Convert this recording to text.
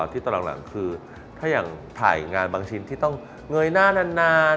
ที่ตอนหลังคือถ้าอย่างถ่ายงานบางชิ้นที่ต้องเงยหน้านาน